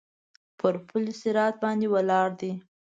پر پل صراط باندې ولاړ دی.